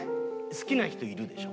好きな人いるでしょ？